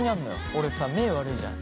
俺さ目悪いじゃん？